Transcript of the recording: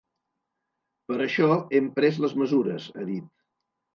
Per això hem pres les mesures, ha dit.